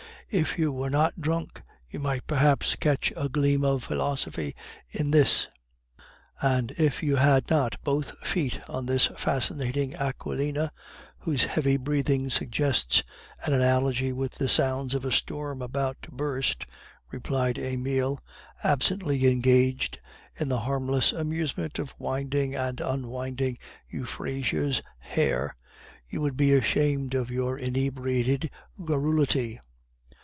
If you were not drunk, you might perhaps catch a gleam of philosophy in this." "And if you had not both feet on that fascinating Aquilina, whose heavy breathing suggests an analogy with the sounds of a storm about to burst," replied Emile, absently engaged in the harmless amusement of winding and unwinding Euphrasia's hair, "you would be ashamed of your inebriated garrulity.